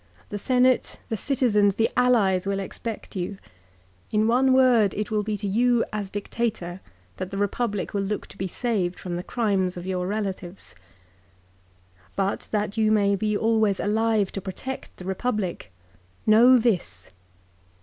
The Senate, the citizens, the allies will expect you. In one word it will be to you as Dictator that the Republic will look to be saved from the crimes of your relatives. " But that you may be always alive to protect the Republic, know this.